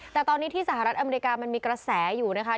แต่ตอนนี้ที่สหรัฐอเมริกามันมีกระแสอยู่นะคะ